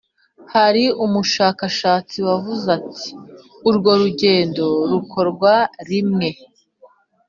Hari umushakashatsi wavuze ati Urwo rugendo rukorwa rimwe